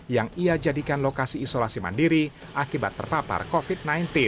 yang ia jadikan lokasi isolasi mandiri akibat terpapar covid sembilan belas